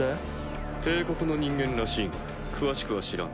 帝国の人間らしいが詳しくは知らん。